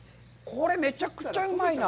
これ、めちゃくちゃうまいな。